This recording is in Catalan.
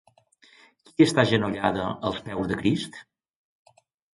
Qui està agenollada als peus de Crist?